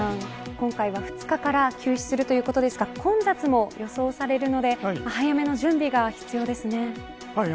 今回は２日から休止するということですが、混雑も予想されるので早めの準備が必要ですね。